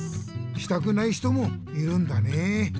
したくない人もいるんだねえ。